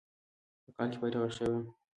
په کال کې فارغ شوى يم.